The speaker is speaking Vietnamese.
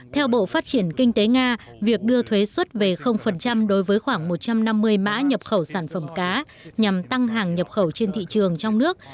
theo bộ phát triển kinh tế nga việc đưa thuế xuất về đối với khoảng một trăm năm mươi mã nhập khẩu sản phẩm cá nhằm tăng hàng nhập khẩu trên thị trường trong nước